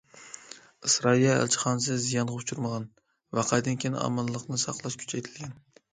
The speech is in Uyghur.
ئىسرائىلىيە ئەلچىخانىسى زىيانغا ئۇچرىمىغان، ۋەقەدىن كىيىن ئامانلىقنى ساقلاش كۈچەيتىلگەن.